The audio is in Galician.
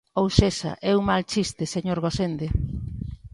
Ou sexa, é un mal chiste, señor Gosende.